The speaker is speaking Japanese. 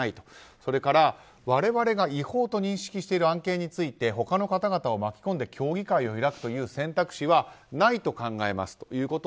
それから、我々が違法と認識している案件について他の方々を巻き込んで協議会を開くという選択肢はないと考えますということと